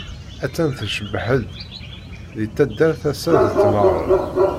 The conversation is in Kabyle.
Attan tcebbeḥ-d, deg taddart assa d tameɣra.